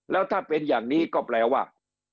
แล้วถ้าเป็นอย่างนี้ก็แปลว่า